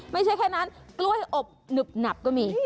ไม่ใช่แค่นั้นกล้วยอบหนึบหนับก็มี